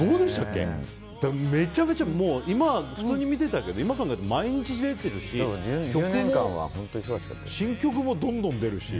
今、普通に見てたけど今考えると毎日出てるし新曲もどんどん出るし。